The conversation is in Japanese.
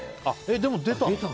でも出たの？